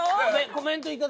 コメント？